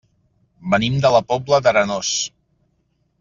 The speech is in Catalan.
Venim de la Pobla d'Arenós.